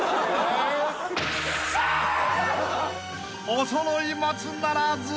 ［おそろい松ならず！］